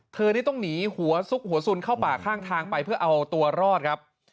เธอนี่ต้องหนีหัวซุกหัวสุนเข้าป่าข้างทางไปเพื่อเอาตัวรอดครับ